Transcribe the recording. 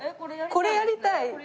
これやりたい？